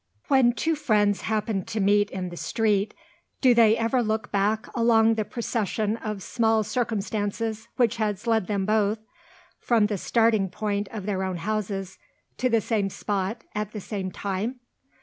When two friends happen to meet in the street, do they ever look back along the procession of small circumstances which has led them both, from the starting point of their own houses, to the same spot, at the same time?